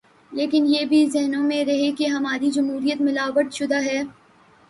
لیکن یہ بھی ذہنوں میں رہے کہ ہماری جمہوریت ملاوٹ شدہ ہے۔